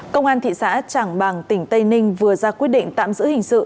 công an thị xã trảng bàng tỉnh tây ninh vừa ra quyết định tạm giữ hình sự